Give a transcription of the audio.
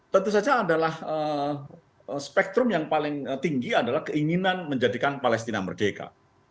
tentu saja adalah spektrum yang paling tinggi adalah keinginan menjadikan palestina merdeka